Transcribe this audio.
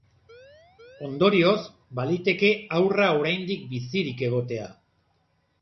Ondorioz, baliteke haurra oraindik bizirik egotea.